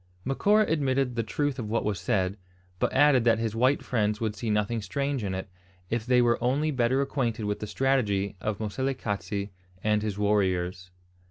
Macora admitted the truth of what was said, but added that his white friends would see nothing strange in it, if they were only better acquainted with the strategy of Moselekatse and his warriors.